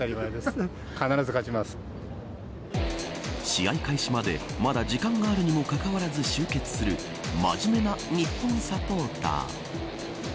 試合開始までまだ時間があるにもかかわらず集結する真面目な日本サポーター。